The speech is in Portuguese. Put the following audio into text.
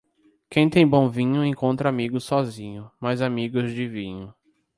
Quem tem bom vinho encontra amigos sozinho, mas amigos de vinho.